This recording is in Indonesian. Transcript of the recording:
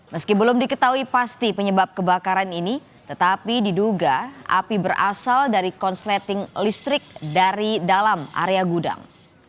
meski belum diketahui pasti penyebab kebakaran ini tetapi diduga api berasal dari konsleting listrik dari dalam area gudang